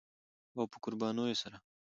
او په قربانیو سره